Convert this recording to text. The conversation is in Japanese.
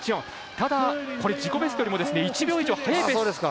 ただ、これ自己ベストよりも１秒以上速いペース。